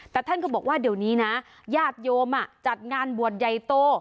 แต่ท่านก็บอกว่าเดี๋ยวนี้นะญาติโยมจัดงานบวชใหญ่โต